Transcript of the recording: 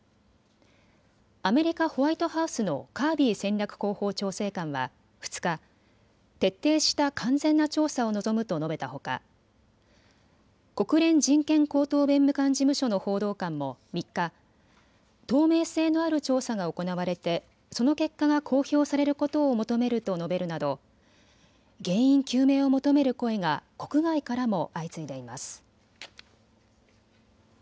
アメリカ・ホワイトハウスのカービー戦略広報調整官は２日、徹底した完全な調査を望むと述べたほか国連人権高等弁務官事務所の報道官も３日、透明性のある調査が行われてその結果が公表されることを求めると述べるなど原因究明を求める声が国外からも相次いでいます。